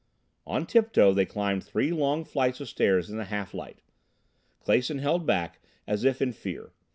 On tiptoe they climbed three long flights of stairs in the half light. Clason held back as if in fear.